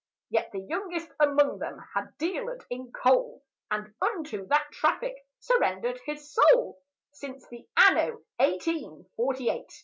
Yet the youngest among them had dealered in coal, And unto that traffic surrendered his soul, Since the Anno Eighteen Forty eight.